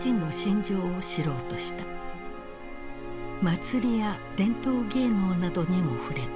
祭りや伝統芸能などにも触れた。